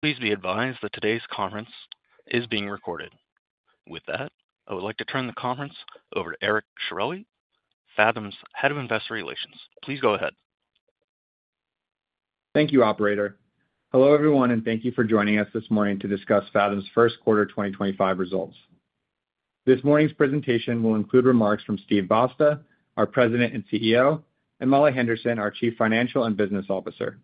Please be advised that today's conference is being recorded. With that, I would like to turn the conference over to Eric Sciorilli, Phathom's Head of Investor Relations. Please go ahead. Thank you, Operator. Hello, everyone, and thank you for joining us this morning to discuss Phathom's first quarter 2025 results. This morning's presentation will include remarks from Steve Basta, our President and CEO, and Molly Henderson, our Chief Financial and Business Officer.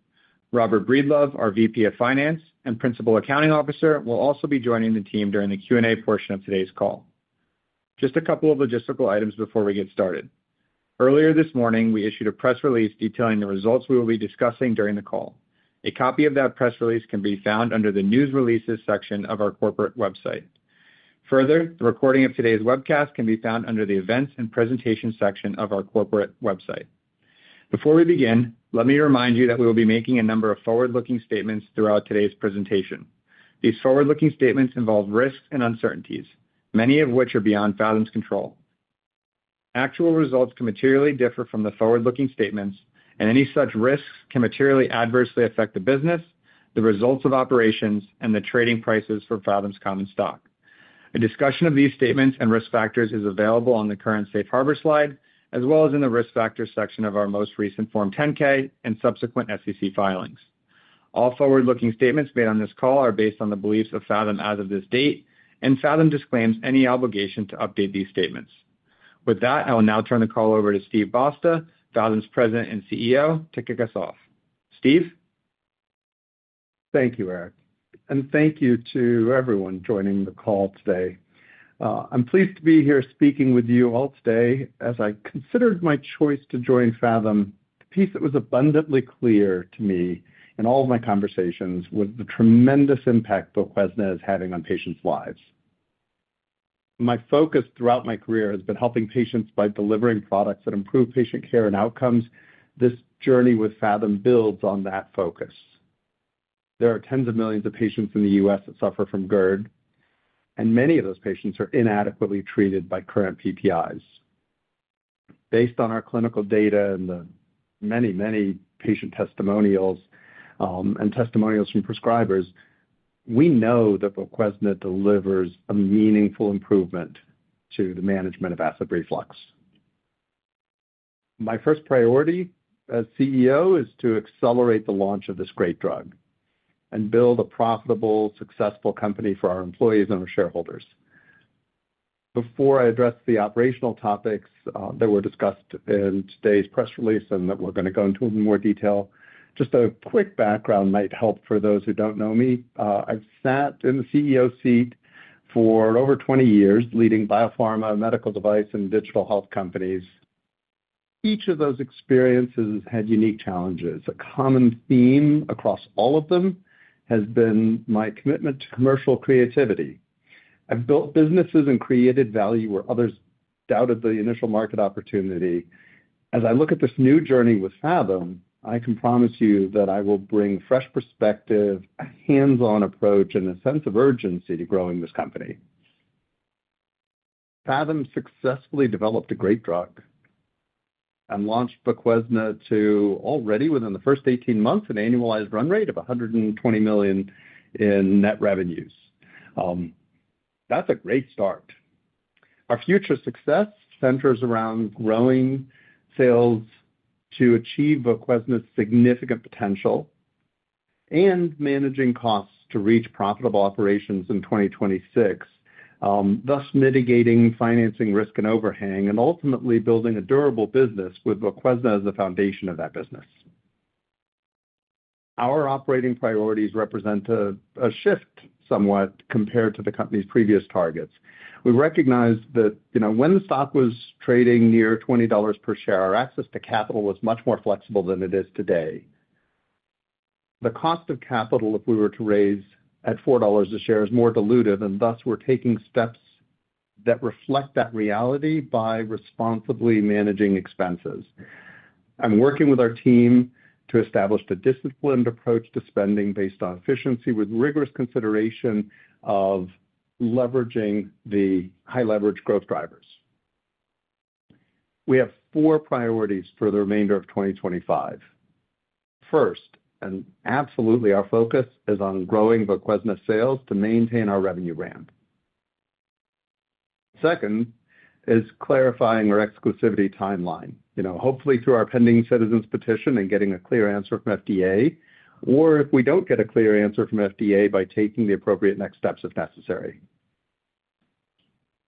Robert Breedlove, our VP of Finance and Principal Accounting Officer, will also be joining the team during the Q&A portion of today's call. Just a couple of logistical items before we get started. Earlier this morning, we issued a press release detailing the results we will be discussing during the call. A copy of that press release can be found under the News Releases section of our corporate website. Further, the recording of today's webcast can be found under the Events and Presentations section of our corporate website. Before we begin, let me remind you that we will be making a number of forward-looking statements throughout today's presentation. These forward-looking statements involve risks and uncertainties, many of which are beyond Phathom's control. Actual results can materially differ from the forward-looking statements, and any such risks can materially adversely affect the business, the results of operations, and the trading prices for Phathom's common stock. A discussion of these statements and risk factors is available on the current Safe Harbor slide, as well as in the risk factors section of our most recent Form 10-K and subsequent SEC filings. All forward-looking statements made on this call are based on the beliefs of Phathom as of this date, and Phathom disclaims any obligation to update these statements. With that, I will now turn the call over to Steve Basta, Phathom's President and CEO, to kick us off. Steve? Thank you, Eric. Thank you to everyone joining the call today. I'm pleased to be here speaking with you all today. As I considered my choice to join Phathom, the piece that was abundantly clear to me in all of my conversations was the tremendous impact Voquezna is having on patients' lives. My focus throughout my career has been helping patients by delivering products that improve patient care and outcomes. This journey with Phathom builds on that focus. There are tens of millions of patients in the U.S. that suffer from GERD, and many of those patients are inadequately treated by current PPIs. Based on our clinical data and the many, many patient testimonials and testimonials from prescribers, we know that Voquezna delivers a meaningful improvement to the management of acid reflux. My first priority as CEO is to accelerate the launch of this great drug and build a profitable, successful company for our employees and our shareholders. Before I address the operational topics that were discussed in today's press release and that we're going to go into in more detail, just a quick background might help for those who don't know me. I've sat in the CEO seat for over 20 years leading biopharma, medical device, and digital health companies. Each of those experiences has had unique challenges. A common theme across all of them has been my commitment to commercial creativity. I've built businesses and created value where others doubted the initial market opportunity. As I look at this new journey with Phathom, I can promise you that I will bring fresh perspective, a hands-on approach, and a sense of urgency to growing this company. Phathom successfully developed a great drug and launched Voquezna to, already within the first 18 months, an annualized run rate of $120 million in net revenues. That's a great start. Our future success centers around growing sales to achieve Voquezna's significant potential and managing costs to reach profitable operations in 2026, thus mitigating financing risk and overhang, and ultimately building a durable business with Voquezna as the foundation of that business. Our operating priorities represent a shift somewhat compared to the company's previous targets. We recognize that when the stock was trading near $20 per share, our access to capital was much more flexible than it is today. The cost of capital, if we were to raise at $4 a share, is more dilutive, and thus we're taking steps that reflect that reality by responsibly managing expenses. I'm working with our team to establish a disciplined approach to spending based on efficiency with rigorous consideration of leveraging the high-leverage growth drivers. We have four priorities for the remainder of 2025. First, and absolutely our focus is on growing Voquezna sales to maintain our revenue ramp. Second is clarifying our exclusivity timeline, hopefully through our pending Citizens Petition and getting a clear answer from FDA, or if we don't get a clear answer from FDA, by taking the appropriate next steps if necessary.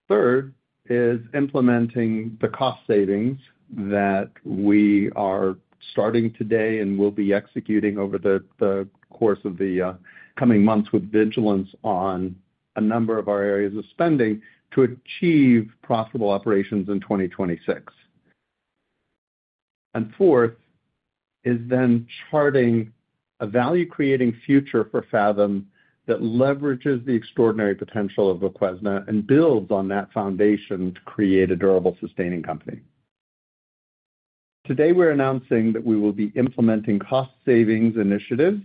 Third is implementing the cost savings that we are starting today and will be executing over the course of the coming months with vigilance on a number of our areas of spending to achieve profitable operations in 2026. Fourth is then charting a value-creating future for Phathom that leverages the extraordinary potential of Voquezna and builds on that foundation to create a durable, sustaining company. Today, we're announcing that we will be implementing cost savings initiatives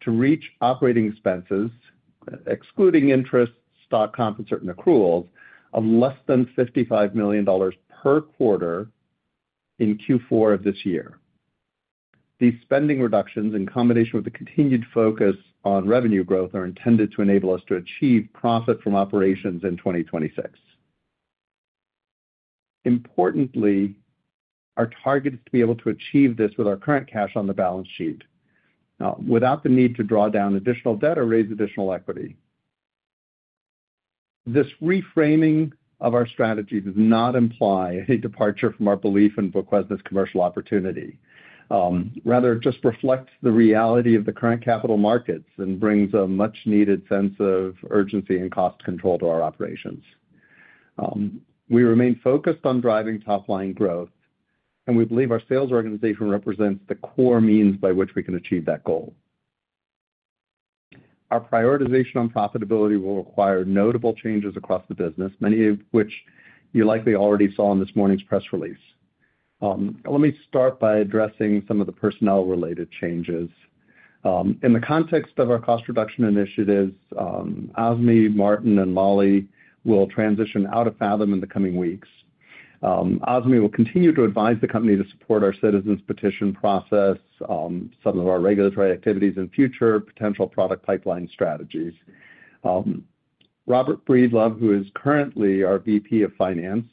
to reach operating expenses, excluding interest, stock comp, and certain accruals of less than $55 million per quarter in Q4 of this year. These spending reductions, in combination with the continued focus on revenue growth, are intended to enable us to achieve profit from operations in 2026. Importantly, our target is to be able to achieve this with our current cash on the balance sheet, without the need to draw down additional debt or raise additional equity. This reframing of our strategy does not imply a departure from our belief in Voquezna's commercial opportunity. Rather, it just reflects the reality of the current capital markets and brings a much-needed sense of urgency and cost control to our operations. We remain focused on driving top-line growth, and we believe our sales organization represents the core means by which we can achieve that goal. Our prioritization on profitability will require notable changes across the business, many of which you likely already saw in this morning's press release. Let me start by addressing some of the personnel-related changes. In the context of our cost reduction initiatives, Azmi, Martin, and Molly will transition out of Phathom in the coming weeks. Azmi will continue to advise the company to support our Citizens Petition process, some of our regulatory activities in future, and potential product pipeline strategies. Robert Breedlove, who is currently our VP of Finance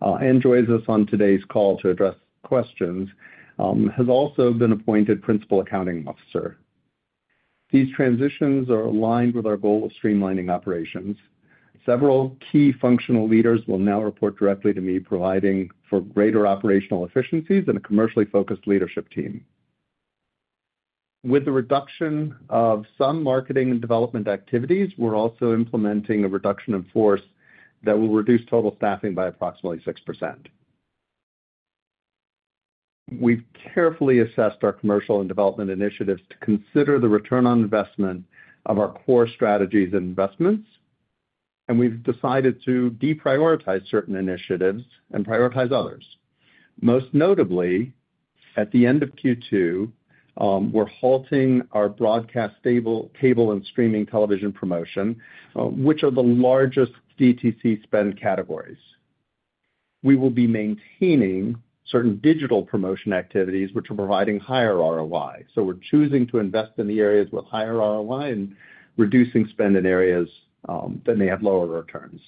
and joins us on today's call to address questions, has also been appointed Principal Accounting Officer. These transitions are aligned with our goal of streamlining operations. Several key functional leaders will now report directly to me, providing for greater operational efficiencies and a commercially focused leadership team. With the reduction of some marketing and development activities, we're also implementing a reduction in force that will reduce total staffing by approximately 6%. We've carefully assessed our commercial and development initiatives to consider the return on investment of our core strategies and investments, and we've decided to deprioritize certain initiatives and prioritize others. Most notably, at the end of Q2, we're halting our broadcast, cable, and streaming television promotion, which are the largest DTC spend categories. We will be maintaining certain digital promotion activities, which are providing higher ROI. We're choosing to invest in the areas with higher ROI and reducing spend in areas that may have lower returns.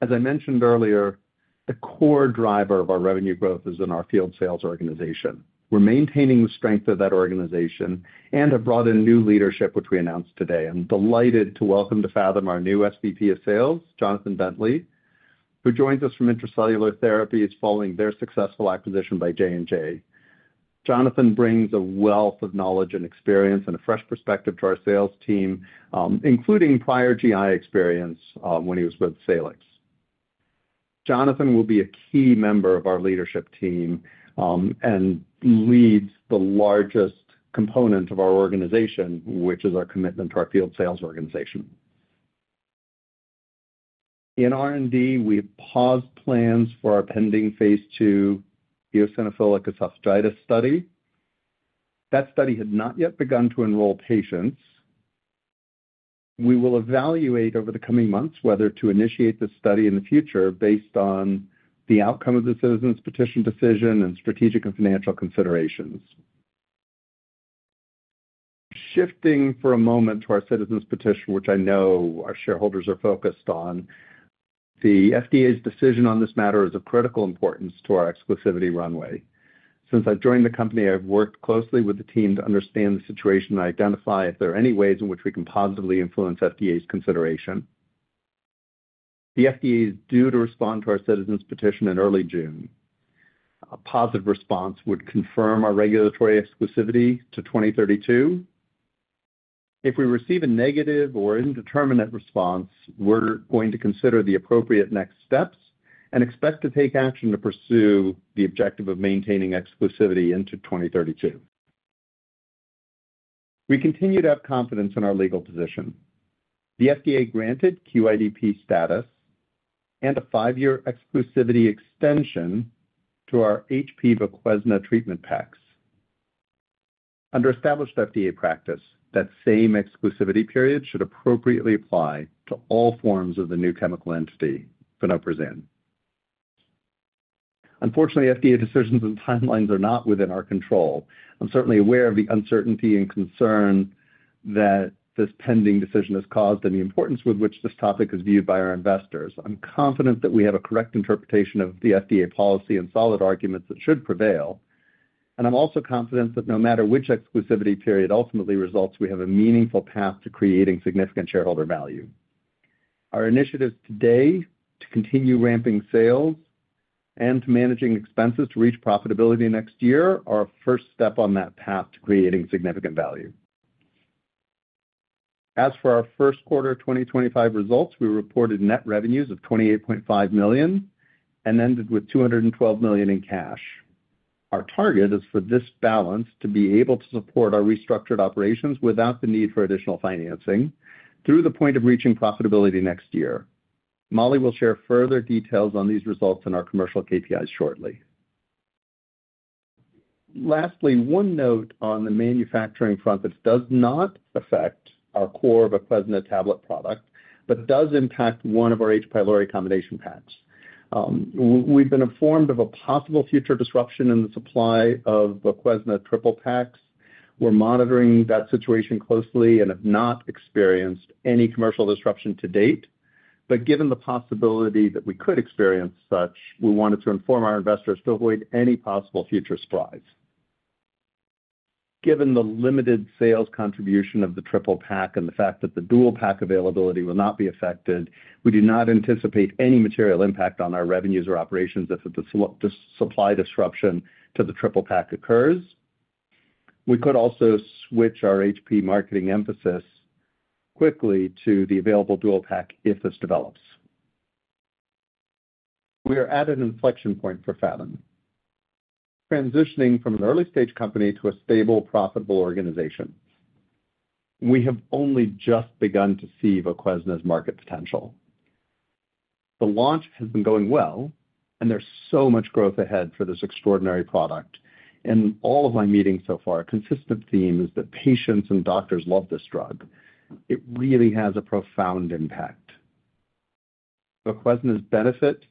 As I mentioned earlier, the core driver of our revenue growth is in our field sales organization. We're maintaining the strength of that organization and have brought in new leadership, which we announced today. I'm delighted to welcome to Phathom our new SVP of Sales, Jonathan Bentley, who joins us from Intra-Cellular Therapies following their successful acquisition by J&J. Jonathan brings a wealth of knowledge and experience and a fresh perspective to our sales team, including prior GI experience when he was with Salix. Jonathan will be a key member of our leadership team and leads the largest component of our organization, which is our commitment to our field sales organization. In R&D, we have paused plans for our pending Phase II eosinophilic esophagitis study. That study had not yet begun to enroll patients. We will evaluate over the coming months whether to initiate the study in the future based on the outcome of the Citizens Petition decision and strategic and financial considerations. Shifting for a moment to our Citizens Petition, which I know our shareholders are focused on, the FDA's decision on this matter is of critical importance to our exclusivity runway. Since I've joined the company, I've worked closely with the team to understand the situation and identify if there are any ways in which we can positively influence FDA's consideration. The FDA is due to respond to our Citizens Petition in early June. A positive response would confirm our regulatory exclusivity to 2032. If we receive a negative or indeterminate response, we're going to consider the appropriate next steps and expect to take action to pursue the objective of maintaining exclusivity into 2032. We continue to have confidence in our legal position. The FDA granted QIDP status and a five-year exclusivity extension to our Voquezna treatment packs. Under established FDA practice, that same exclusivity period should appropriately apply to all forms of the new chemical entity, vonoprazan. Unfortunately, FDA decisions and timelines are not within our control. I'm certainly aware of the uncertainty and concern that this pending decision has caused and the importance with which this topic is viewed by our investors. I'm confident that we have a correct interpretation of the FDA policy and solid arguments that should prevail. I'm also confident that no matter which exclusivity period ultimately results, we have a meaningful path to creating significant shareholder value. Our initiatives today to continue ramping sales and to managing expenses to reach profitability next year are a first step on that path to creating significant value. As for our first quarter 2025 results, we reported net revenues of $28.5 million and ended with $212 million in cash. Our target is for this balance to be able to support our restructured operations without the need for additional financing through the point of reaching profitability next year. Molly will share further details on these results and our commercial KPIs shortly. Lastly, one note on the manufacturing front that does not affect our core Voquezna tablet product, but does impact one of our H. pylori combination packs. We've been informed of a possible future disruption in the supply of Voquezna TRIPLE PAK. We're monitoring that situation closely and have not experienced any commercial disruption to date. Given the possibility that we could experience such, we wanted to inform our investors to avoid any possible future surprise. Given the limited sales contribution of the TRIPLE PAK and the fact that the DUAL PAK availability will not be affected, we do not anticipate any material impact on our revenues or operations if the supply disruption to the TRIPLE PAK occurs. We could also switch our H. pylori marketing emphasis quickly to the available DUAL PAK if this develops. We are at an inflection point for Phathom, transitioning from an early-stage company to a stable, profitable organization. We have only just begun to see Voquezna's market potential. The launch has been going well, and there's so much growth ahead for this extraordinary product. In all of my meetings so far, a consistent theme is that patients and doctors love this drug. It really has a profound impact. Voquezna's benefit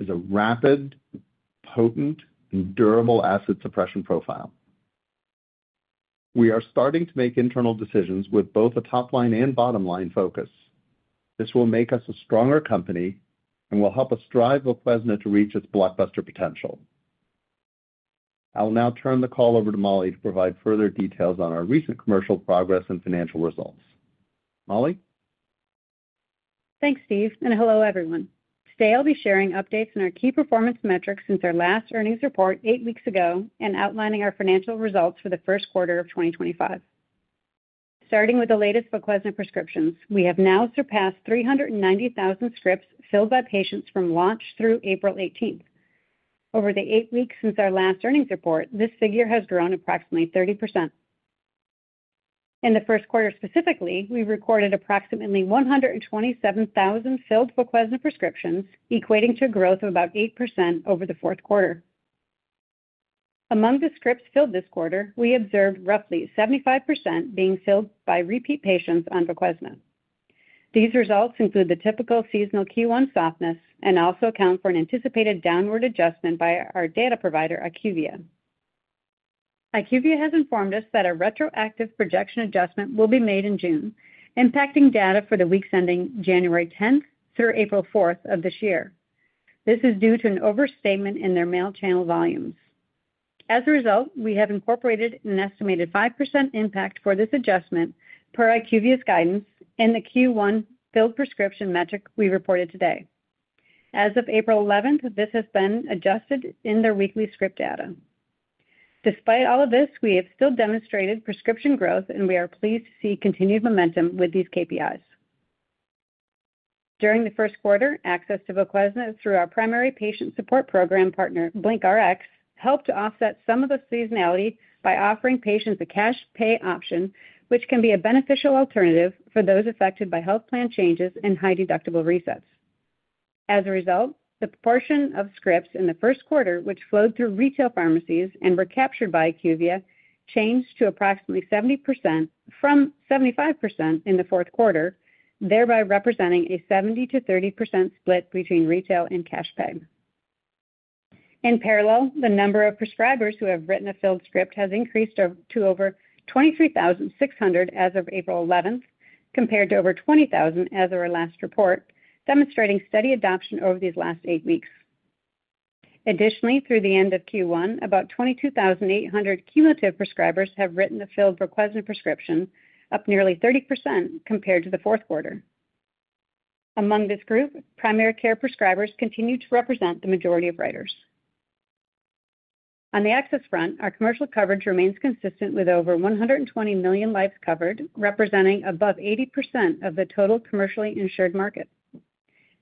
is a rapid, potent, and durable acid suppression profile. We are starting to make internal decisions with both a top-line and bottom-line focus. This will make us a stronger company and will help us drive Voquezna to reach its blockbuster potential. I'll now turn the call over to Molly to provide further details on our recent commercial progress and financial results. Molly? Thanks, Steve. Hello, everyone. Today, I'll be sharing updates on our key performance metrics since our last earnings report eight weeks ago and outlining our financial results for the first quarter of 2025. Starting with the latest Voquezna prescriptions, we have now surpassed 390,000 scripts filled by patients from launch through April 18th. Over the eight weeks since our last earnings report, this figure has grown approximately 30%. In the first quarter specifically, we recorded approximately 127,000 filled Voquezna prescriptions, equating to a growth of about 8% over the fourth quarter. Among the scripts filled this quarter, we observed roughly 75% being filled by repeat patients on Voquezna. These results include the typical seasonal Q1 softness and also account for an anticipated downward adjustment by our data provider, IQVIA. IQVIA has informed us that a retroactive projection adjustment will be made in June, impacting data for the weeks ending January 10th through April 4th of this year. This is due to an overstatement in their mail channel volumes. As a result, we have incorporated an estimated 5% impact for this adjustment per IQVIA's guidance in the Q1 filled prescription metric we reported today. As of April 11, this has been adjusted in their weekly script data. Despite all of this, we have still demonstrated prescription growth, and we are pleased to see continued momentum with these KPIs. During the first quarter, access to Voquezna through our primary patient support program partner, BlinkRx, helped to offset some of the seasonality by offering patients a cash pay option, which can be a beneficial alternative for those affected by health plan changes and high deductible resets. As a result, the proportion of scripts in the first quarter, which flowed through retail pharmacies and were captured by IQVIA, changed to approximately 70% from 75% in the fourth quarter, thereby representing a 70%-30% split between retail and cash pay. In parallel, the number of prescribers who have written a filled script has increased to over 23,600 as of April 11th, compared to over 20,000 as of our last report, demonstrating steady adoption over these last eight weeks. Additionally, through the end of Q1, about 22,800 cumulative prescribers have written a filled Voquezna prescription, up nearly 30% compared to the fourth quarter. Among this group, primary care prescribers continue to represent the majority of writers. On the access front, our commercial coverage remains consistent with over 120 million lives covered, representing above 80% of the total commercially insured market.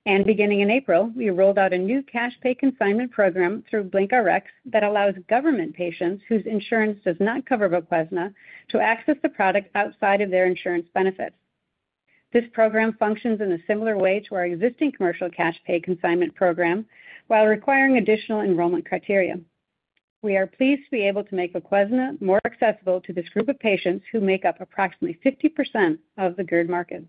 Beginning in April, we rolled out a new cash pay consignment program through BlinkRx that allows government patients whose insurance does not cover Voquezna to access the product outside of their insurance benefits. This program functions in a similar way to our existing commercial cash pay consignment program while requiring additional enrollment criteria. We are pleased to be able to make Voquezna more accessible to this group of patients who make up approximately 50% of the GERD market.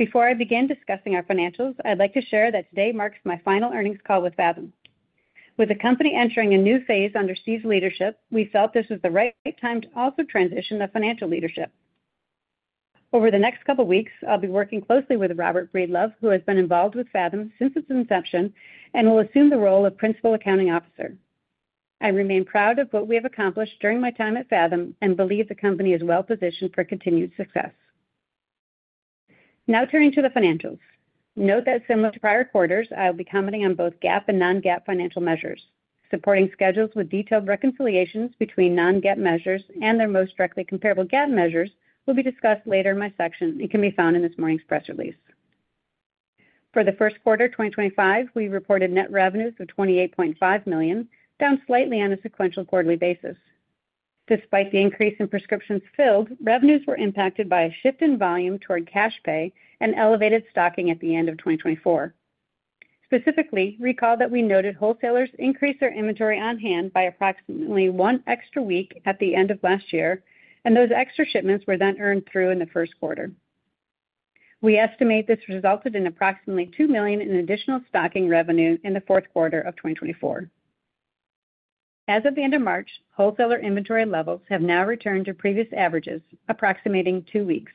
Before I begin discussing our financials, I'd like to share that today marks my final earnings call with Phathom. With the company entering a new Phase under Steve's leadership, we felt this was the right time to also transition to financial leadership. Over the next couple of weeks, I'll be working closely with Robert Breedlove, who has been involved with Phathom since its inception and will assume the role of Principal Accounting Officer. I remain proud of what we have accomplished during my time at Phathom and believe the company is well positioned for continued success. Now turning to the financials, note that similar to prior quarters, I'll be commenting on both GAAP and non-GAAP financial measures. Supporting schedules with detailed reconciliations between non-GAAP measures and their most directly comparable GAAP measures will be discussed later in my section and can be found in this morning's press release. For the first quarter 2025, we reported net revenues of $28.5 million, down slightly on a sequential quarterly basis. Despite the increase in prescriptions filled, revenues were impacted by a shift in volume toward cash pay and elevated stocking at the end of 2024. Specifically, recall that we noted wholesalers increased their inventory on hand by approximately one extra week at the end of last year, and those extra shipments were then earned through in the first quarter. We estimate this resulted in approximately $2 million in additional stocking revenue in the fourth quarter of 2024. As of the end of March, wholesaler inventory levels have now returned to previous averages, approximating two weeks.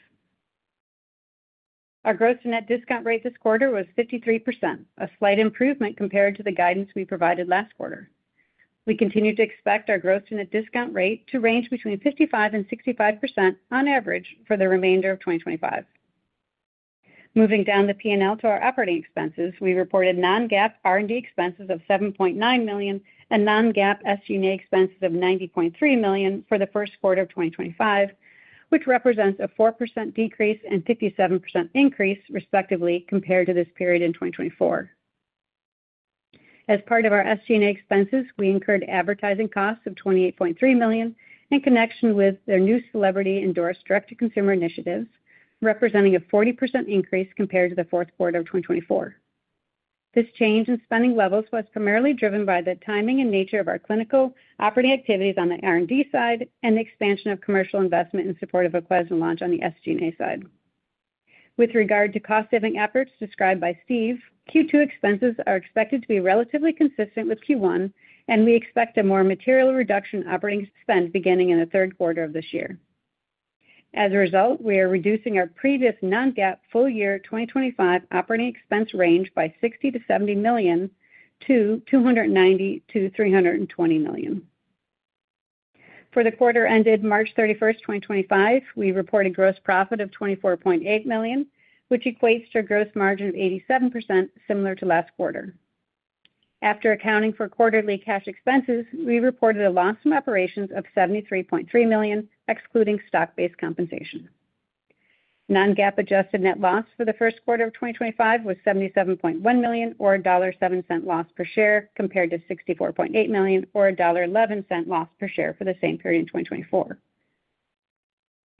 Our gross net discount rate this quarter was 53%, a slight improvement compared to the guidance we provided last quarter. We continue to expect our gross net discount rate to range between 55%-65% on average for the remainder of 2025. Moving down the P&L to our operating expenses, we reported non-GAAP R&D expenses of $7.9 million and non-GAAP SG&A expenses of $90.3 million for the first quarter of 2025, which represents a 4% decrease and 57% increase, respectively, compared to this period in 2024. As part of our SG&A expenses, we incurred advertising costs of $28.3 million in connection with their new celebrity endorsed direct-to-consumer initiatives, representing a 40% increase compared to the fourth quarter of 2024. This change in spending levels was primarily driven by the timing and nature of our clinical operating activities on the R&D side and the expansion of commercial investment in support of Voquezna launch on the SG&A side. With regard to cost-saving efforts described by Steve, Q2 expenses are expected to be relatively consistent with Q1, and we expect a more material reduction in operating spend beginning in the third quarter of this year. As a result, we are reducing our previous non-GAAP full year 2025 operating expense range by $60 million-$70 million to $290 million-$320 million. For the quarter ended March 31, 2025, we reported gross profit of $24.8 million, which equates to a gross margin of 87%, similar to last quarter. After accounting for quarterly cash expenses, we reported a loss from operations of $73.3 million, excluding stock-based compensation. Non-GAAP adjusted net loss for the first quarter of 2025 was $77.1 million, or $1.07 loss per share, compared to $64.8 million, or $1.11 loss per share for the same period in 2024.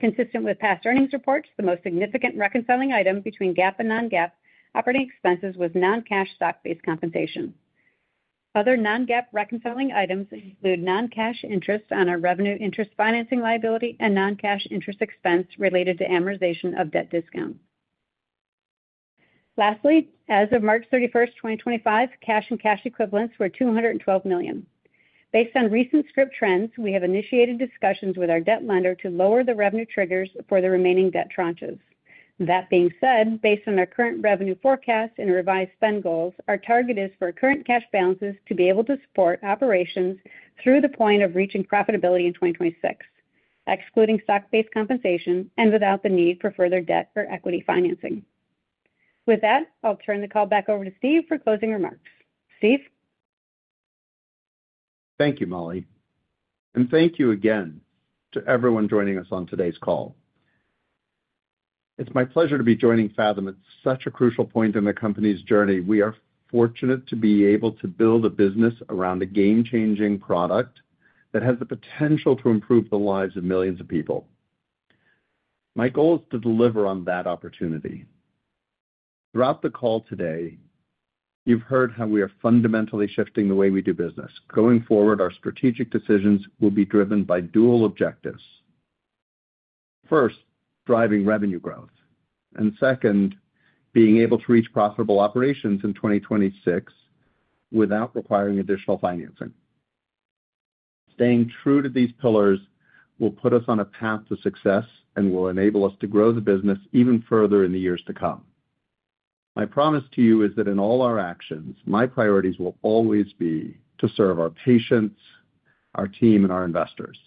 Consistent with past earnings reports, the most significant reconciling item between GAAP and non-GAAP operating expenses was non-cash stock-based compensation. Other non-GAAP reconciling items include non-cash interest on our revenue interest financing liability and non-cash interest expense related to amortization of debt discounts. Lastly, as of March 31, 2025, cash and cash equivalents were $212 million. Based on recent script trends, we have initiated discussions with our debt lender to lower the revenue triggers for the remaining debt tranches. That being said, based on our current revenue forecast and revised spend goals, our target is for current cash balances to be able to support operations through the point of reaching profitability in 2026, excluding stock-based compensation and without the need for further debt or equity financing. With that, I'll turn the call back over to Steve for closing remarks. Steve? Thank you, Molly. Thank you again to everyone joining us on today's call. It's my pleasure to be joining Phathom at such a crucial point in the company's journey. We are fortunate to be able to build a business around a game-changing product that has the potential to improve the lives of millions of people. My goal is to deliver on that opportunity. Throughout the call today, you've heard how we are fundamentally shifting the way we do business. Going forward, our strategic decisions will be driven by dual objectives. First, driving revenue growth. Second, being able to reach profitable operations in 2026 without requiring additional financing. Staying true to these pillars will put us on a path to success and will enable us to grow the business even further in the years to come. My promise to you is that in all our actions, my priorities will always be to serve our patients, our team, and our investors.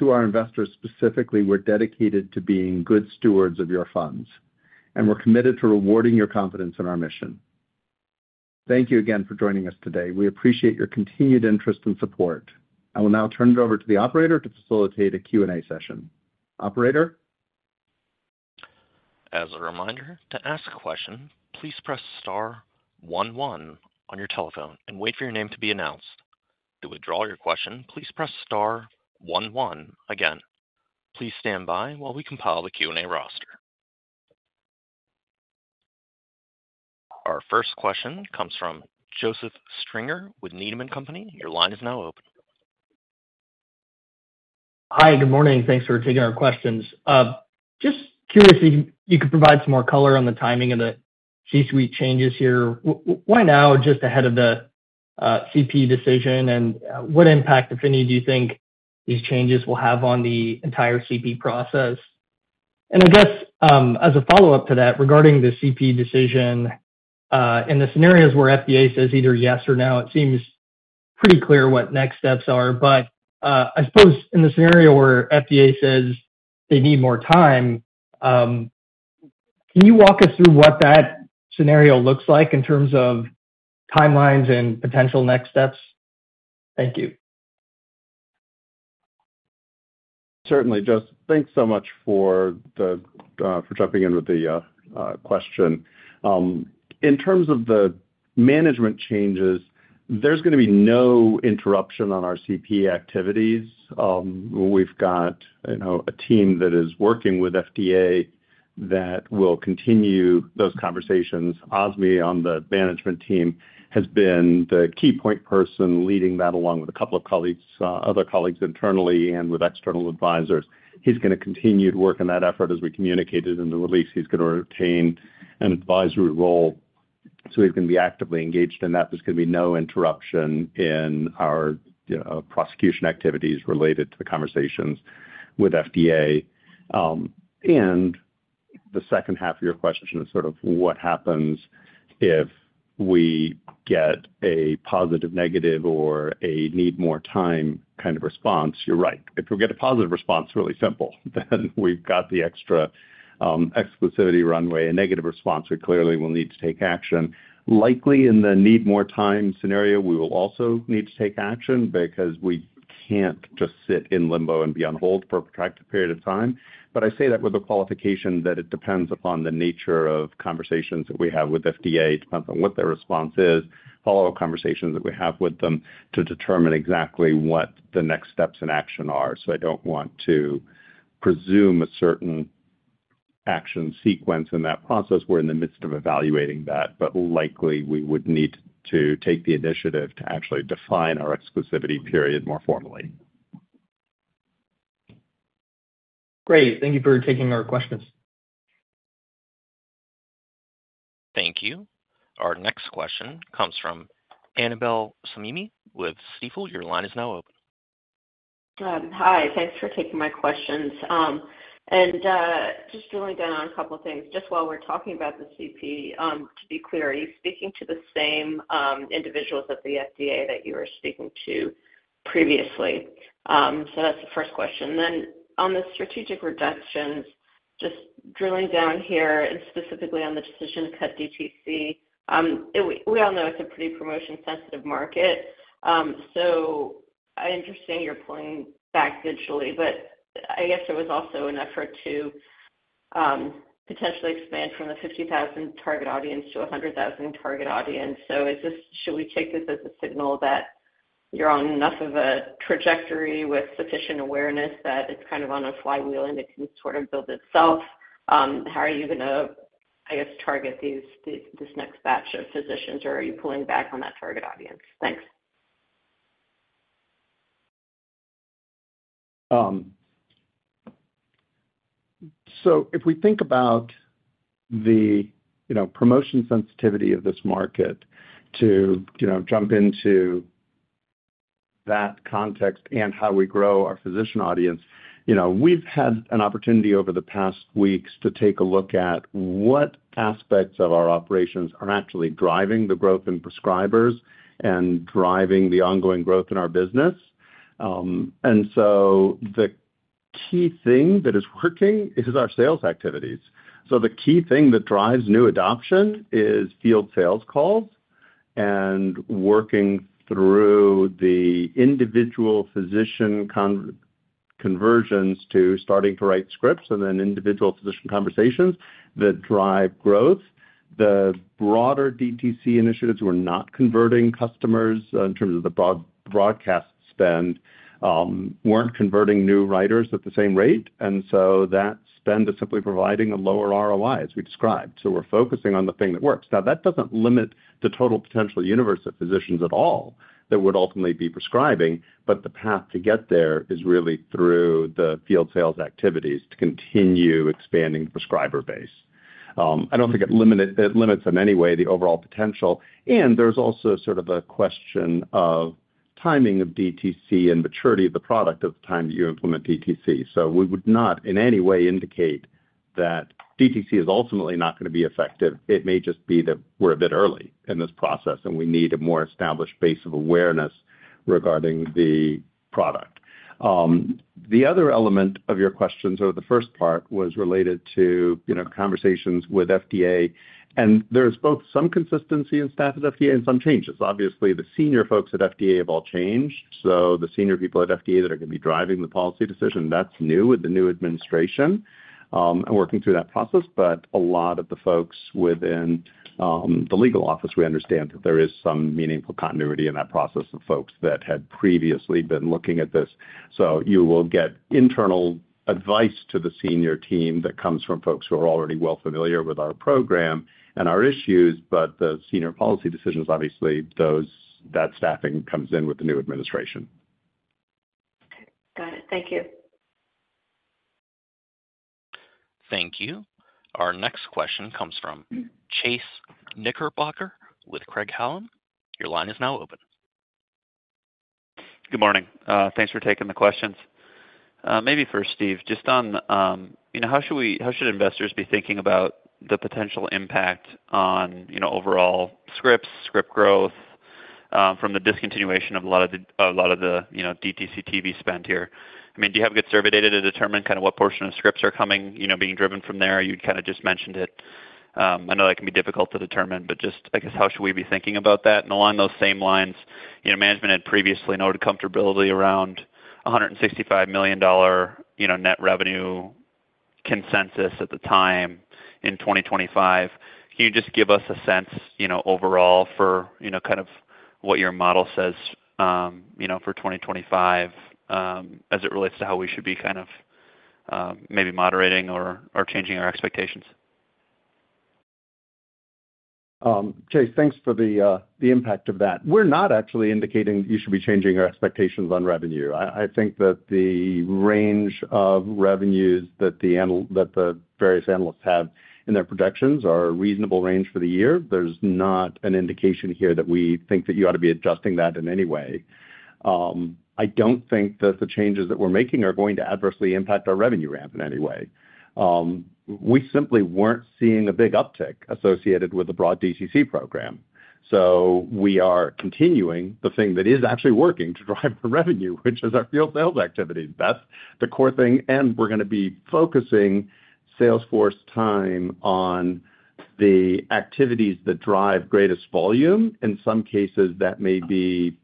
To our investors specifically, we're dedicated to being good stewards of your funds, and we're committed to rewarding your confidence in our mission. Thank you again for joining us today. We appreciate your continued interest and support. I will now turn it over to the operator to facilitate a Q&A session. Operator? As a reminder, to ask a question, please press star 11 on your telephone and wait for your name to be announced. To withdraw your question, please press star 11 again. Please stand by while we compile the Q&A roster. Our first question comes from Joseph Stringer with Needham & Company. Your line is now open. Hi, good morning. Thanks for taking our questions. Just curious if you could provide some more color on the timing of the C-suite changes here. Why now, just ahead of the CP decision, and what impact, if any, do you think these changes will have on the entire CP process? I guess as a follow-up to that, regarding the CP decision, in the scenarios where FDA says either yes or no, it seems pretty clear what next steps are. I suppose in the scenario where FDA says they need more time, can you walk us through what that scenario looks like in terms of timelines and potential next steps? Thank you. Certainly, Joseph. Thanks so much for jumping in with the question. In terms of the management changes, there's going to be no interruption on our CP activities. We've got a team that is working with FDA that will continue those conversations. Azmi on the management team has been the key point person leading that along with a couple of colleagues, other colleagues internally, and with external advisors. He's going to continue to work in that effort as we communicated in the release. He's going to retain an advisory role, so he's going to be actively engaged in that. There's going to be no interruption in our prosecution activities related to the conversations with FDA. The second half of your question is sort of what happens if we get a positive, negative, or a need more time kind of response. You're right. If we get a positive response, really simple, then we've got the extra exclusivity runway. A negative response, we clearly will need to take action. Likely in the need more time scenario, we will also need to take action because we can't just sit in limbo and be on hold for a protracted period of time. I say that with the qualification that it depends upon the nature of conversations that we have with FDA. It depends on what their response is, follow-up conversations that we have with them to determine exactly what the next steps in action are. I don't want to presume a certain action sequence in that process. We're in the midst of evaluating that, but likely we would need to take the initiative to actually define our exclusivity period more formally. Great. Thank you for taking our questions. Thank you. Our next question comes from Annabel Samimy with Stifel. Your line is now open. Hi. Thanks for taking my questions. Just drilling down on a couple of things. Just while we're talking about the CP, to be clear, are you speaking to the same individuals at the FDA that you were speaking to previously? That's the first question. On the strategic reductions, just drilling down here and specifically on the decision to cut DTC, we all know it's a pretty promotion-sensitive market. I understand you're pulling back digitally, but I guess it was also an effort to potentially expand from the 50,000 target audience to 100,000 target audience. Should we take this as a signal that you're on enough of a trajectory with sufficient awareness that it's kind of on a flywheel and it can sort of build itself? How are you going to, I guess, target this next batch of physicians, or are you pulling back on that target audience? Thanks. If we think about the promotion sensitivity of this market to jump into that context and how we grow our physician audience, we've had an opportunity over the past weeks to take a look at what aspects of our operations are actually driving the growth in prescribers and driving the ongoing growth in our business. The key thing that is working is our sales activities. The key thing that drives new adoption is field sales calls and working through the individual physician conversions to starting to write scripts and then individual physician conversations that drive growth. The broader DTC initiatives were not converting customers in terms of the broadcast spend, were not converting new writers at the same rate. That spend is simply providing a lower ROI, as we described. We are focusing on the thing that works. That does not limit the total potential universe of physicians at all that would ultimately be prescribing, but the path to get there is really through the field sales activities to continue expanding the prescriber base. I do not think it limits in any way the overall potential. There is also sort of a question of timing of DTC and maturity of the product at the time that you implement DTC. We would not in any way indicate that DTC is ultimately not going to be effective. It may just be that we're a bit early in this process and we need a more established base of awareness regarding the product. The other element of your questions, or the first part, was related to conversations with FDA. There is both some consistency in staff at FDA and some changes. Obviously, the senior folks at FDA have all changed. The senior people at FDA that are going to be driving the policy decision, that's new with the new administration and working through that process. A lot of the folks within the legal office, we understand that there is some meaningful continuity in that process of folks that had previously been looking at this. You will get internal advice to the senior team that comes from folks who are already well familiar with our program and our issues. The senior policy decisions, obviously, that staffing comes in with the new administration. Got it. Thank you. Thank you. Our next question comes from Chase Knickerbocker with Craig-Hallum. Your line is now open. Good morning. Thanks for taking the questions. Maybe first, Steve, just on how should investors be thinking about the potential impact on overall scripts, script growth from the discontinuation of a lot of the DTC TV spend here? I mean, do you have good survey data to determine kind of what portion of scripts are coming, being driven from there? You kind of just mentioned it. I know that can be difficult to determine, but just, I guess, how should we be thinking about that? Along those same lines, management had previously noted comfortability around $165 million net revenue consensus at the time in 2025. Can you just give us a sense overall for kind of what your model says for 2025 as it relates to how we should be kind of maybe moderating or changing our expectations? Chase, thanks for the impact of that. We're not actually indicating that you should be changing your expectations on revenue. I think that the range of revenues that the various analysts have in their projections are a reasonable range for the year. There's not an indication here that we think that you ought to be adjusting that in any way. I don't think that the changes that we're making are going to adversely impact our revenue ramp in any way. We simply weren't seeing a big uptick associated with the broad DTC program. We are continuing the thing that is actually working to drive our revenue, which is our field sales activity. That's the core thing. We're going to be focusing Salesforce time on the activities that drive greatest volume. In some cases, that may be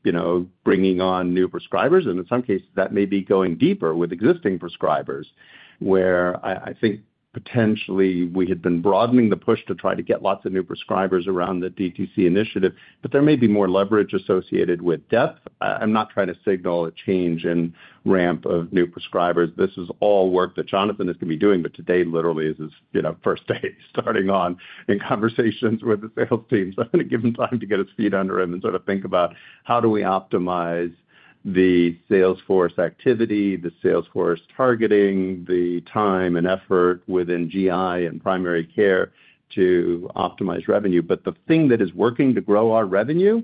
bringing on new prescribers. In some cases, that may be going deeper with existing prescribers, where I think potentially we had been broadening the push to try to get lots of new prescribers around the DTC initiative, but there may be more leverage associated with depth. I'm not trying to signal a change in ramp of new prescribers. This is all work that Jonathan is going to be doing, but today literally is his first day starting on in conversations with the sales team. I'm going to give him time to get his feet under him and sort of think about how do we optimize the Salesforce activity, the Salesforce targeting, the time and effort within GI and primary care to optimize revenue. The thing that is working to grow our revenue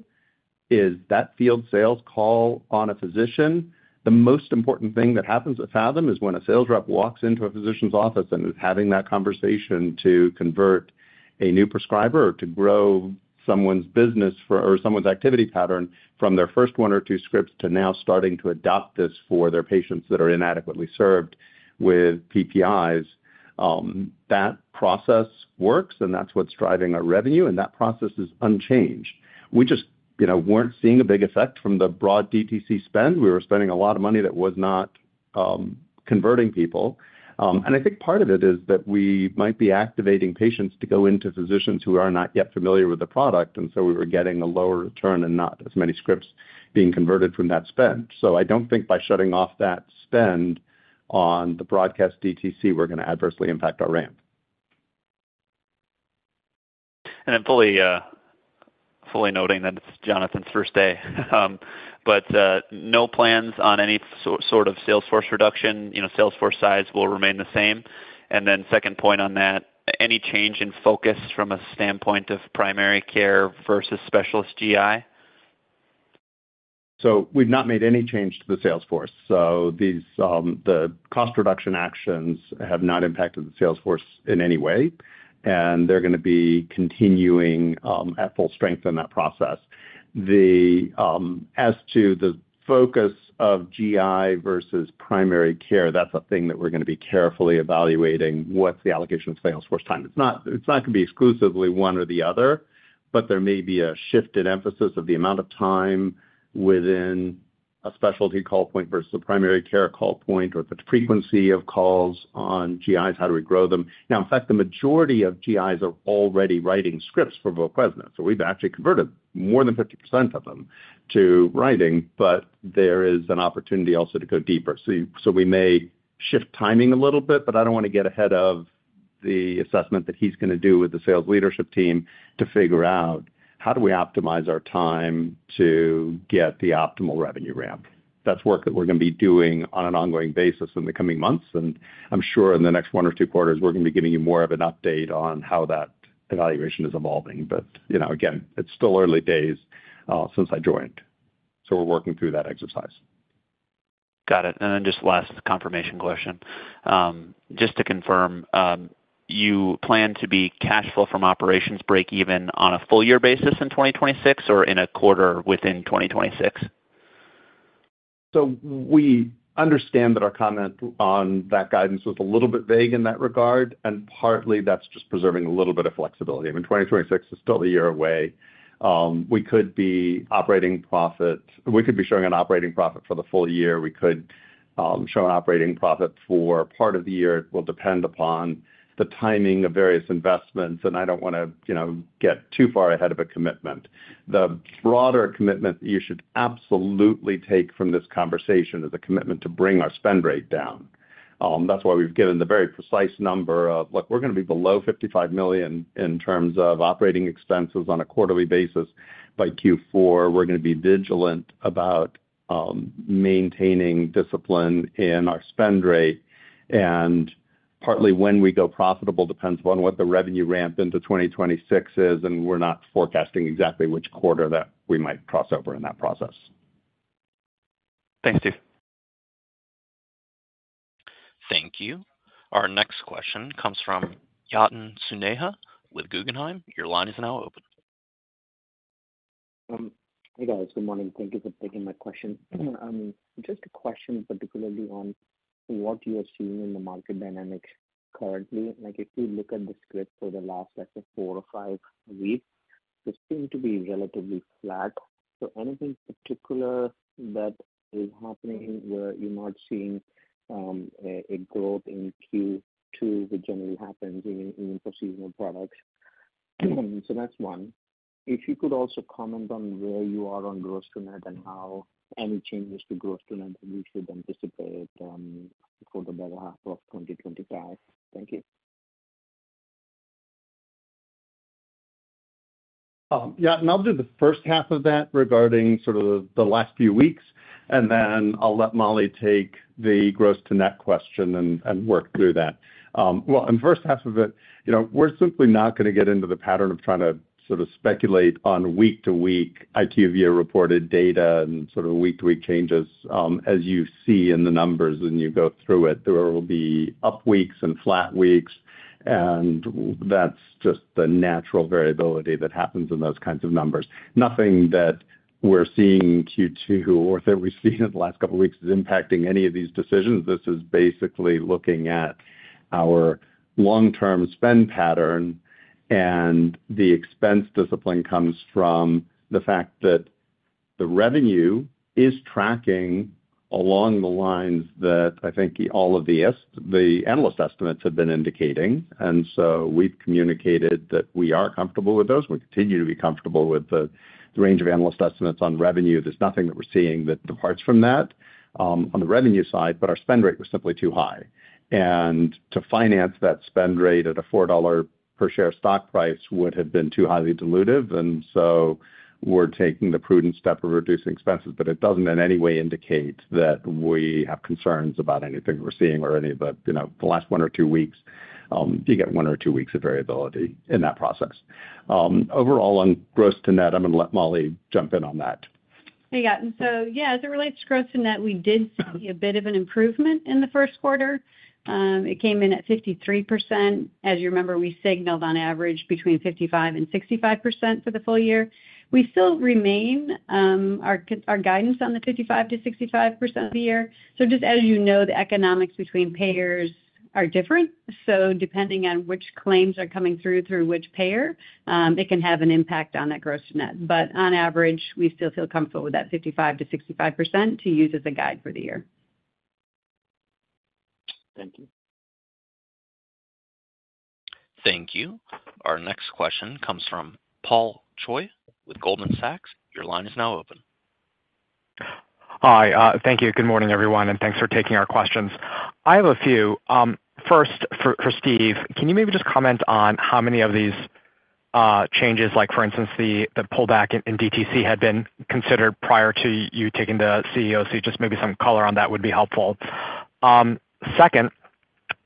is that field sales call on a physician. The most important thing that happens with Phathom is when a sales rep walks into a physician's office and is having that conversation to convert a new prescriber or to grow someone's business or someone's activity pattern from their first one or two scripts to now starting to adopt this for their patients that are inadequately served with PPIs. That process works, and that's what's driving our revenue. That process is unchanged. We just weren't seeing a big effect from the broad DTC spend. We were spending a lot of money that was not converting people. I think part of it is that we might be activating patients to go into physicians who are not yet familiar with the product. We were getting a lower return and not as many scripts being converted from that spend. I do not think by shutting off that spend on the broadcast DTC, we are going to adversely impact our ramp. I am fully noting that it is Jonathan's first day. No plans on any sort of Salesforce reduction. Salesforce size will remain the same. Second point on that, any change in focus from a standpoint of primary care versus specialist GI? We have not made any change to the Salesforce. The cost reduction actions have not impacted the Salesforce in any way. They're going to be continuing at full strength in that process. As to the focus of GI versus primary care, that's a thing that we're going to be carefully evaluating, what's the allocation of Salesforce time. It's not going to be exclusively one or the other, but there may be a shift in emphasis of the amount of time within a specialty call point versus a primary care call point or the frequency of calls on GIs, how do we grow them? In fact, the majority of GIs are already writing scripts for Voquezna. So we've actually converted more than 50% of them to writing, but there is an opportunity also to go deeper. We may shift timing a little bit, but I don't want to get ahead of the assessment that he's going to do with the sales leadership team to figure out how do we optimize our time to get the optimal revenue ramp. That's work that we're going to be doing on an ongoing basis in the coming months. I'm sure in the next one or two quarters, we're going to be giving you more of an update on how that evaluation is evolving. Again, it's still early days since I joined. We're working through that exercise. Got it. Just last confirmation question. Just to confirm, you plan to be cash flow from operations break even on a full year basis in 2026 or in a quarter within 2026? We understand that our comment on that guidance was a little bit vague in that regard. Partly, that's just preserving a little bit of flexibility. I mean, 2026 is still a year away. We could be operating profit. We could be showing an operating profit for the full year. We could show an operating profit for part of the year. It will depend upon the timing of various investments. I don't want to get too far ahead of a commitment. The broader commitment that you should absolutely take from this conversation is a commitment to bring our spend rate down. That's why we've given the very precise number of, "Look, we're going to be below $55 million in terms of operating expenses on a quarterly basis by Q4. We're going to be vigilant about maintaining discipline in our spend rate. Partly, when we go profitable depends on what the revenue ramp into 2026 is. We're not forecasting exactly which quarter that we might cross over in that process. Thanks, Steve. Thank you. Our next question comes from Yatin Suneja with Guggenheim. Your line is now open. Hey, guys. Good morning. Thank you for taking my question. Just a question particularly on what you are seeing in the market dynamics currently. If you look at the script for the last, let's say, four or five weeks, it seemed to be relatively flat. Is there anything particular that is happening where you're not seeing a growth in Q2, which generally happens in procedural products? That's one. If you could also comment on where you are on gross to net and how any changes to gross to net that we should anticipate for the better half of 2025. Thank you. Yeah. I'll do the first half of that regarding sort of the last few weeks. I'll let Molly take the gross to net question and work through that. In the first half of it, we're simply not going to get into the pattern of trying to sort of speculate on week-to-week IQVIA reported data and sort of week-to-week changes. As you see in the numbers and you go through it, there will be up weeks and flat weeks. That's just the natural variability that happens in those kinds of numbers. Nothing that we're seeing in Q2 or that we've seen in the last couple of weeks is impacting any of these decisions. This is basically looking at our long-term spend pattern. The expense discipline comes from the fact that the revenue is tracking along the lines that I think all of the analyst estimates have been indicating. We have communicated that we are comfortable with those. We continue to be comfortable with the range of analyst estimates on revenue. There is nothing that we are seeing that departs from that on the revenue side, but our spend rate was simply too high. To finance that spend rate at a $4 per share stock price would have been too highly dilutive. We are taking the prudent step of reducing expenses. It does not in any way indicate that we have concerns about anything we are seeing or any of the last one or two weeks. You get one or two weeks of variability in that process. Overall, on gross to net, I'm going to let Molly jump in on that. Hey, Yatin. So yeah, as it relates to gross to net, we did see a bit of an improvement in the first quarter. It came in at 53%. As you remember, we signaled on average between 55% and 65% for the full year. We still remain our guidance on the 55%-65% of the year. Just as you know, the economics between payers are different. Depending on which claims are coming through through which payer, it can have an impact on that gross to net. On average, we still feel comfortable with that 55%-65% to use as a guide for the year. Thank you. Thank you. Our next question comes from Paul Choi with Goldman Sachs. Your line is now open. Hi. Thank you. Good morning, everyone. Thanks for taking our questions. I have a few. First, for Steve, can you maybe just comment on how many of these changes, like for instance, the pullback in DTC had been considered prior to you taking the CEO seat? Just maybe some color on that would be helpful. Second,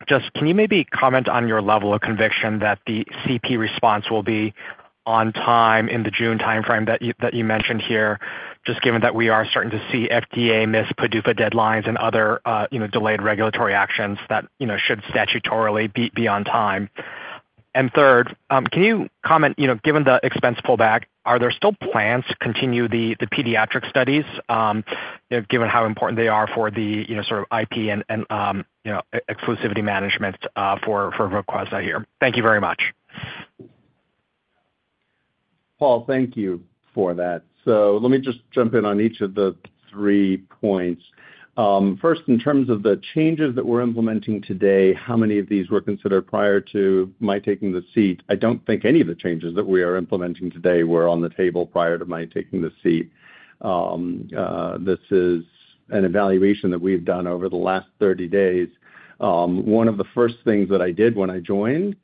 just can you maybe comment on your level of conviction that the CP response will be on time in the June timeframe that you mentioned here, just given that we are starting to see FDA miss PDUFA deadlines and other delayed regulatory actions that should statutorily be on time? Third, can you comment, given the expense pullback, are there still plans to continue the pediatric studies given how important they are for the sort of IP and exclusivity management for Voquezna here? Thank you very much. Paul, thank you for that. Let me just jump in on each of the three points. First, in terms of the changes that we're implementing today, how many of these were considered prior to my taking the seat? I don't think any of the changes that we are implementing today were on the table prior to my taking the seat. This is an evaluation that we've done over the last 30 days. One of the first things that I did when I joined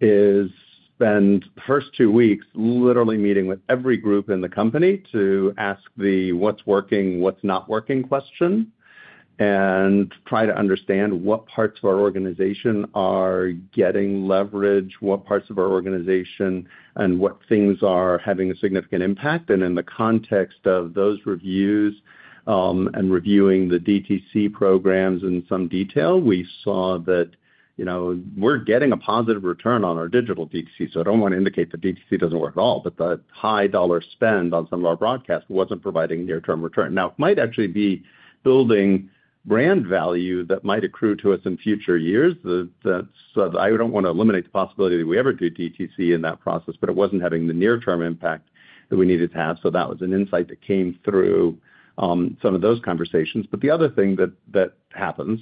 is spend the first two weeks literally meeting with every group in the company to ask the what's working, what's not working question and try to understand what parts of our organization are getting leverage, what parts of our organization and what things are having a significant impact. In the context of those reviews and reviewing the DTC programs in some detail, we saw that we're getting a positive return on our digital DTC. I don't want to indicate the DTC doesn't work at all, but the high dollar spend on some of our broadcast wasn't providing near-term return. It might actually be building brand value that might accrue to us in future years. I don't want to eliminate the possibility that we ever do DTC in that process, but it wasn't having the near-term impact that we needed to have. That was an insight that came through some of those conversations. The other thing that happens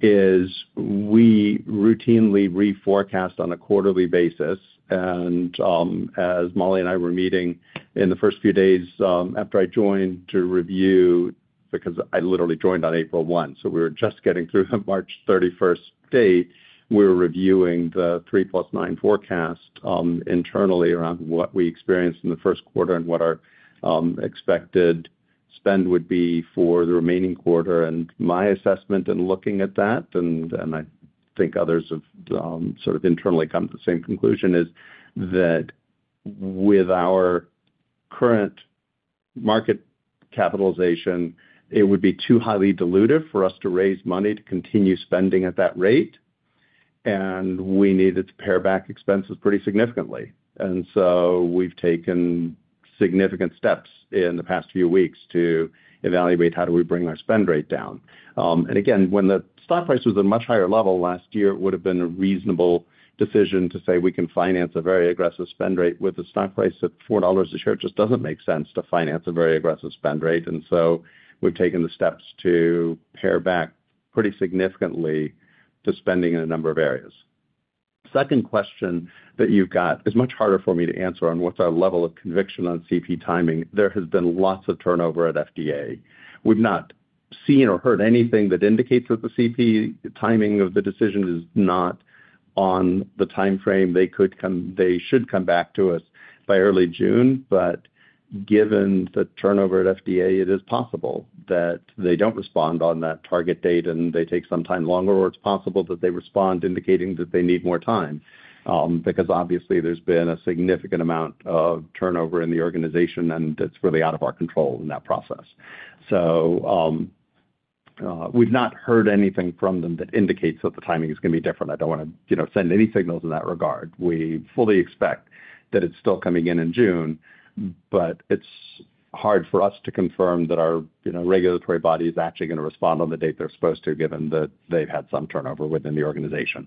is we routinely reforecast on a quarterly basis. As Molly and I were meeting in the first few days after I joined to review, because I literally joined on April 1, we were just getting through the March 31 date, we were reviewing the 3 plus 9 forecast internally around what we experienced in the first quarter and what our expected spend would be for the remaining quarter. My assessment in looking at that, and I think others have sort of internally come to the same conclusion, is that with our current market capitalization, it would be too highly dilutive for us to raise money to continue spending at that rate. We needed to pare back expenses pretty significantly. We have taken significant steps in the past few weeks to evaluate how do we bring our spend rate down. When the stock price was at a much higher level last year, it would have been a reasonable decision to say we can finance a very aggressive spend rate with a stock price at $4 a share. It just does not make sense to finance a very aggressive spend rate. We have taken the steps to pare back pretty significantly to spending in a number of areas. The second question that you have is much harder for me to answer on what is our level of conviction on CP timing. There has been lots of turnover at FDA. We have not seen or heard anything that indicates that the CP timing of the decision is not on the timeframe. They should come back to us by early June. Given the turnover at FDA, it is possible that they do not respond on that target date and they take some time longer, or it is possible that they respond indicating that they need more time. Because obviously, there has been a significant amount of turnover in the organization, and it is really out of our control in that process. We have not heard anything from them that indicates that the timing is going to be different. I do not want to send any signals in that regard. We fully expect that it is still coming in in June, but it is hard for us to confirm that our regulatory body is actually going to respond on the date they are supposed to, given that they have had some turnover within the organization.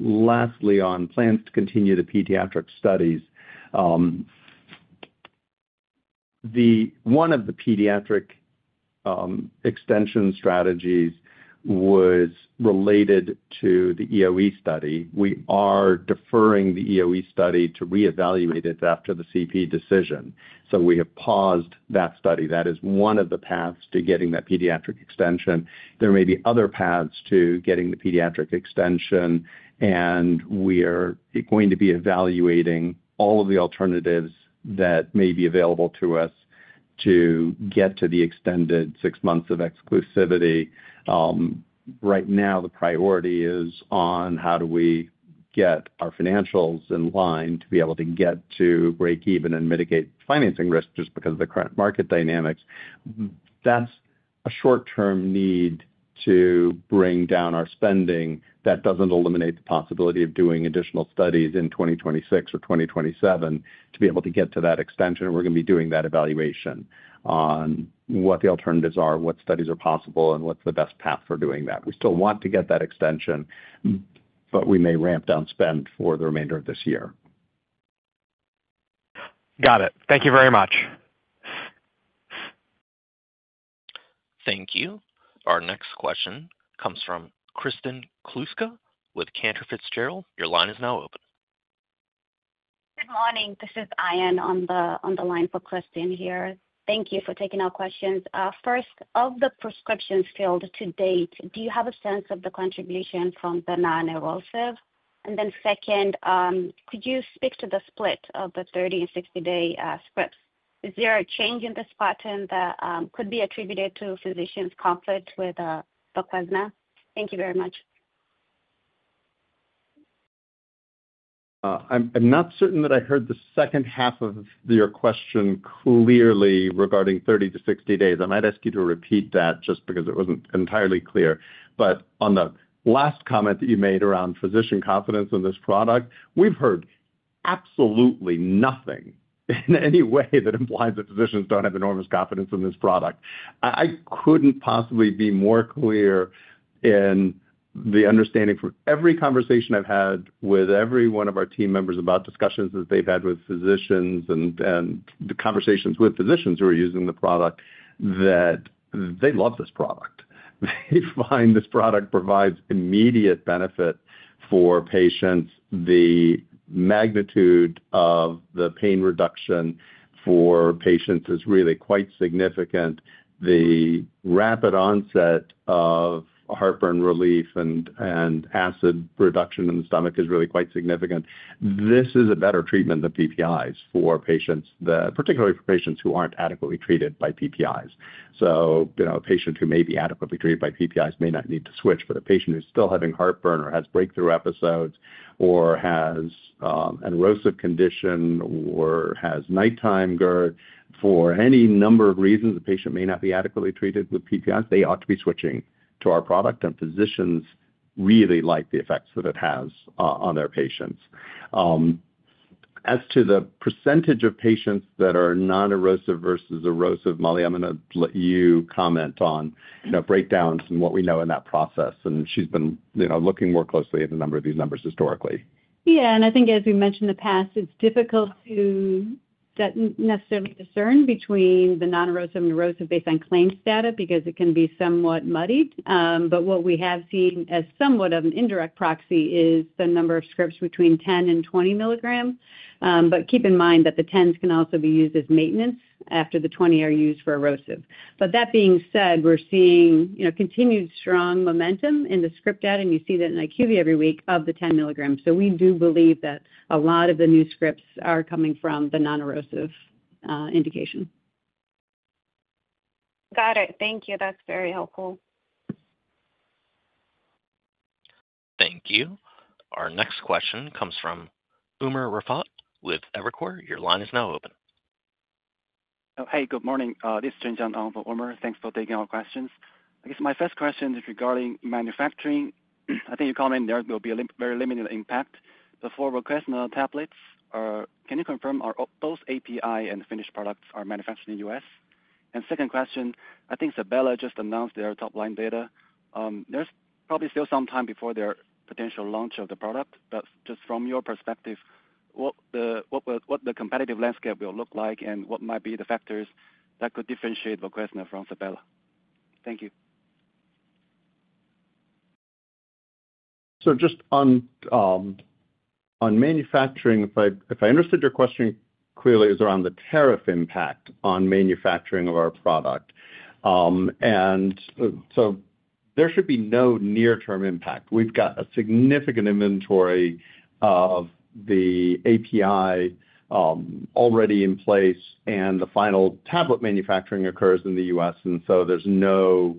Lastly, on plans to continue the pediatric studies, one of the pediatric extension strategies was related to the EoE study. We are deferring the EoE study to reevaluate it after the CP decision. We have paused that study. That is one of the paths to getting that pediatric extension. There may be other paths to getting the pediatric extension. We are going to be evaluating all of the alternatives that may be available to us to get to the extended six months of exclusivity. Right now, the priority is on how do we get our financials in line to be able to get to break even and mitigate financing risk just because of the current market dynamics. That is a short-term need to bring down our spending. That does not eliminate the possibility of doing additional studies in 2026 or 2027 to be able to get to that extension. We're going to be doing that evaluation on what the alternatives are, what studies are possible, and what's the best path for doing that. We still want to get that extension, but we may ramp down spend for the remainder of this year. Got it. Thank you very much. Thank you. Our next question comes from Kristen Kluska with Cantor Fitzgerald. Your line is now open. Good morning. This is Ayan on the line for Kristen here. Thank you for taking our questions. First, of the prescriptions filled to date, do you have a sense of the contribution from Voquezna or Voquezna TRIPLE PAK? And then second, could you speak to the split of the 30 and 60-day scripts? Is there a change in this pattern that could be attributed to physicians' conflict with Voquezna? Thank you very much. I'm not certain that I heard the second half of your question clearly regarding 30 to 60 days. I might ask you to repeat that just because it wasn't entirely clear. On the last comment that you made around physician confidence in this product, we've heard absolutely nothing in any way that implies that physicians don't have enormous confidence in this product. I couldn't possibly be more clear in the understanding from every conversation I've had with every one of our team members about discussions that they've had with physicians and the conversations with physicians who are using the product that they love this product. They find this product provides immediate benefit for patients. The magnitude of the pain reduction for patients is really quite significant. The rapid onset of heartburn relief and acid reduction in the stomach is really quite significant. This is a better treatment than PPIs for patients, particularly for patients who aren't adequately treated by PPIs. A patient who may be adequately treated by PPIs may not need to switch. A patient who's still having heartburn or has breakthrough episodes or has an erosive condition or has nighttime GERD for any number of reasons, the patient may not be adequately treated with PPIs. They ought to be switching to our product. Physicians really like the effects that it has on their patients. As to the percentage of patients that are non-erosive versus erosive, Molly, I'm going to let you comment on breakdowns and what we know in that process. She's been looking more closely at a number of these numbers historically. Yeah. I think, as we mentioned in the past, it's difficult to necessarily discern between the non-erosive and erosive based on claims data because it can be somewhat muddied. What we have seen as somewhat of an indirect proxy is the number of scripts between 10 and 20 milligrams. Keep in mind that the 10s can also be used as maintenance after the 20 are used for erosive. That being said, we're seeing continued strong momentum in the script data. You see that in IQVIA every week of the 10 milligrams. We do believe that a lot of the new scripts are coming from the non-erosive indication. Got it. Thank you. That's very helpful. Thank you. Our next question comes from Umar Raffat with Evercore. Your line is now open. Hey, good morning. This is Zheng Zhan from Umar. Thanks for taking our questions. I guess my first question is regarding manufacturing. I think you commented there will be a very limited impact. The four Voquezna tablets, can you confirm those API and finished products are manufactured in the U.S.? And second question, I think Sabella just announced their top-line data. There's probably still some time before their potential launch of the product. Just from your perspective, what the competitive landscape will look like and what might be the factors that could differentiate Voquezna from Sabella? Thank you. Just on manufacturing, if I understood your question clearly, it's around the tariff impact on manufacturing of our product. There should be no near-term impact. We've got a significant inventory of the API already in place, and the final tablet manufacturing occurs in the U.S. There is no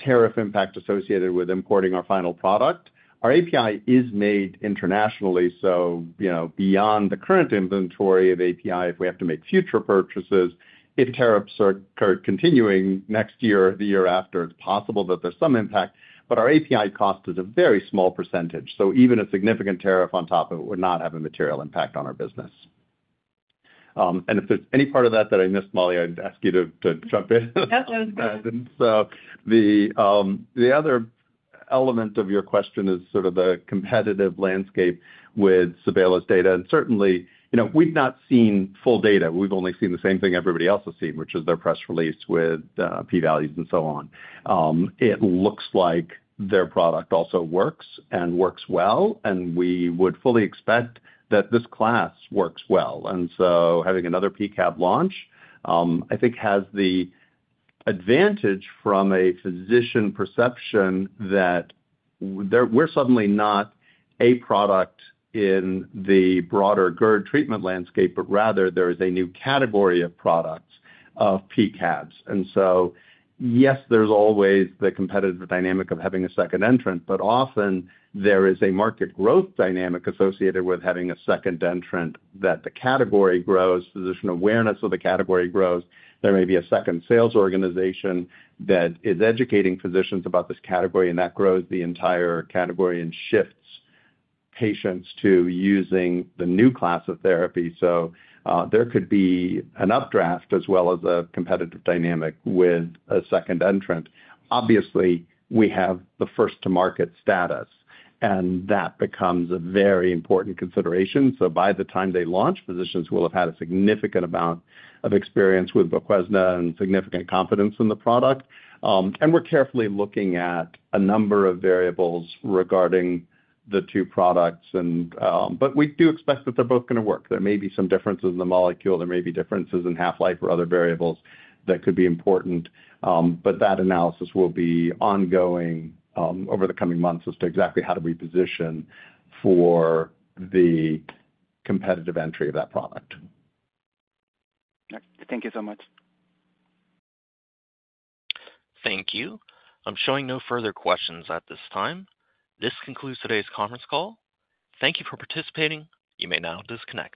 tariff impact associated with importing our final product. Our API is made internationally. Beyond the current inventory of API, if we have to make future purchases, if tariffs are continuing next year or the year after, it's possible that there's some impact. Our API cost is a very small percentage. Even a significant tariff on top of it would not have a material impact on our business. If there's any part of that that I missed, Molly, I'd ask you to jump in. No, that was good. The other element of your question is sort of the competitive landscape with Sebela's data. Certainly, we've not seen full data. We've only seen the same thing everybody else has seen, which is their press release with P-values and so on. It looks like their product also works and works well. We would fully expect that this class works well. Having another PCAB launch, I think, has the advantage from a physician perception that we're suddenly not a product in the broader GERD treatment landscape, but rather there is a new category of products of PCABs. Yes, there's always the competitive dynamic of having a second entrant, but often there is a market growth dynamic associated with having a second entrant that the category grows, physician awareness of the category grows. There may be a second sales organization that is educating physicians about this category, and that grows the entire category and shifts patients to using the new class of therapy. There could be an updraft as well as a competitive dynamic with a second entrant. Obviously, we have the first-to-market status, and that becomes a very important consideration. By the time they launch, physicians will have had a significant amount of experience with Voquezna and significant confidence in the product. We're carefully looking at a number of variables regarding the two products. We do expect that they're both going to work. There may be some differences in the molecule. There may be differences in half-life or other variables that could be important. That analysis will be ongoing over the coming months as to exactly how we position for the competitive entry of that product. Thank you so much. Thank you. I'm showing no further questions at this time. This concludes today's conference call. Thank you for participating. You may now disconnect.